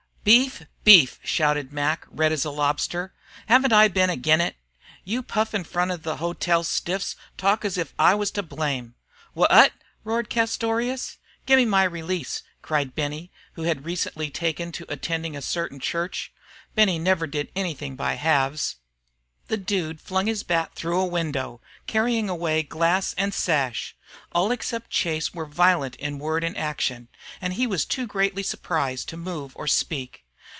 "Beef! Beef!" shouted Mac, red as a lobster. "Haven't I been agin it? You puff in front of the hotel stiffs talk as if I was to blame." "Wha at?" roared Castorious. "Gimme my release!" cried Benny, who had recently taken to attending a certain church. Benny never did anything by halves. The Dude flung his bat through a window, carrying away glass and sash. All except Chase were violent in word and action, and he was too greatly surprised to move or speak.